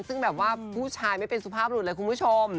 ซึ่งแบบว่าผู้ชายไม่เป็นสุภาพหลุดเลยคุณผู้ชม